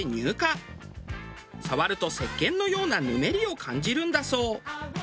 触ると石鹸のようなぬめりを感じるんだそう。